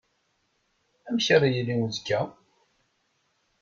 Amek ara yili uzekka?